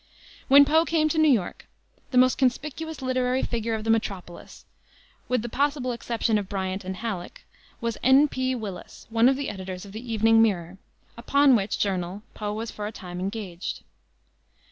When Poe came to New York, the most conspicuous literary figure of the metropolis, with the possible exception of Bryant and Halleck, was N. P. Willis, one of the editors of the Evening Mirror, upon which journal Poe was for a time engaged.